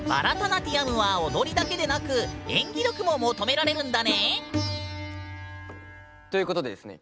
ナティヤムは踊りだけでなく演技力も求められるんだね！ということでですね